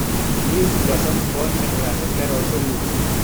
Leaves, blossoms, ferns, and grasses were also used.